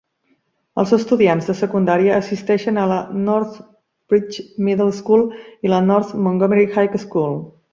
Els estudiants de secundària assisteixen a la Northridge Middle School i la North Montgomery High School.